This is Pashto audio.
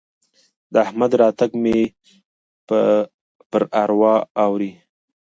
د احمد راتګ مې پر اروا اوري.